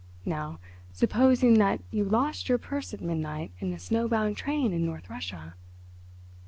Now, supposing that you lost your purse at midnight in a snowbound train in North Russia?"